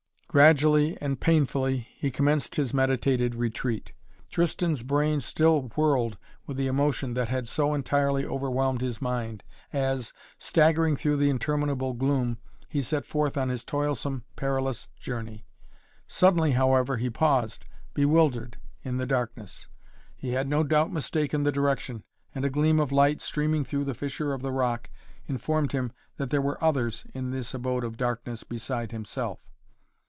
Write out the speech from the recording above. Gradually and painfully he commenced his meditated retreat. Tristan's brain still whirled with the emotion that had so entirely overwhelmed his mind, as, staggering through the interminable gloom, he set forth on his toilsome, perilous journey. Suddenly however he paused, bewildered, in the darkness. He had no doubt mistaken the direction, and a gleam of light, streaming through the fissure of the rock, informed him that there were others in this abode of darkness, beside himself.